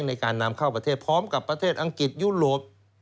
ในการนำเข้าประเทศพร้อมกับประเทศอังกฤษยุโรป